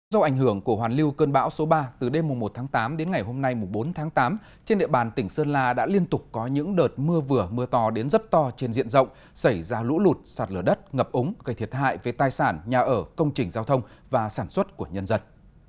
do ảnh hưởng của hoàn lưu cơn bão số ba từ đêm một tháng tám đến ngày hôm nay bốn tháng tám trên địa bàn tỉnh sơn la đã liên tục có những đợt mưa vừa mưa to đến rất to trên diện rộng xảy ra lũ lụt sạt lở đất ngập ống gây thiệt hại về tài sản nhà ở công trình giao thông và sản xuất của nhân dân